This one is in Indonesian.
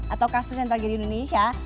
atau kasus yang terjadi di indonesia